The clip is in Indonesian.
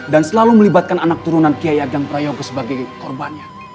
dan selalu melibatkan anak turunan kiagam prayung sebagai korbannya